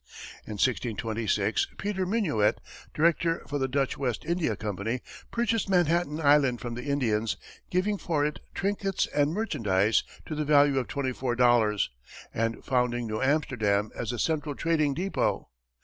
In 1626, Peter Minuit, director for the Dutch West India Company, purchased Manhattan Island from the Indians, giving for it trinkets and merchandise to the value of $24, and founding New Amsterdam as the central trading depot.